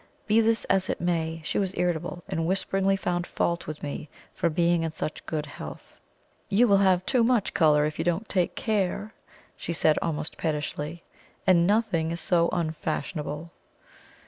Be this as it may, she was irritable, and whisperingly found fault with, me for being in such good health. "You will have too much colour if you don't take care," she said almost pettishly, "and nothing is so unfashionable."